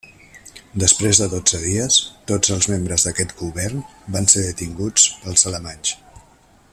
Després de dotze dies, tots els membres d'aquest govern van ser detinguts pels alemanys.